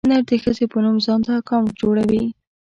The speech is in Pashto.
نر د ښځې په نوم ځانته اکاونټ جوړوي.